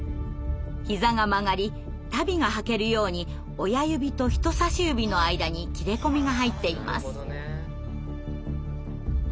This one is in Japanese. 膝が曲がり足袋が履けるように親指と人さし指の間に切れ込みが入っています。